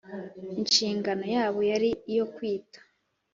Inshinganom yabo yari iyo kwita